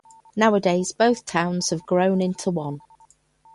Nowadays both towns have grown into one.